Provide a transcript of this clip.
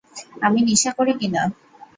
আমি নিশা করি কিনা?